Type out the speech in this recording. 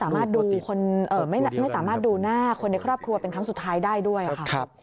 ไม่สามารถดูหน้าคนในครอบครัวเป็นครั้งสุดท้ายได้ด้วยค่ะ